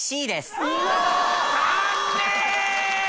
残念！